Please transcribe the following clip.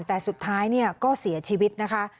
แต่สุดท้ายเนี่ยก็เสียชีวิตนะคะ